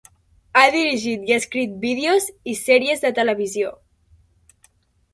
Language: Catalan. Ha dirigit i escrit vídeos i sèries de televisió.